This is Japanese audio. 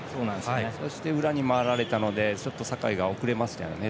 そして裏に回られたので酒井の対応が遅れましたね。